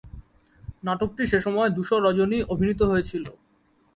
নাটকটি সেসময় দু-শো রজনী অভিনীত হয়েছিল।